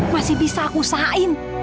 masih bisa aku usahain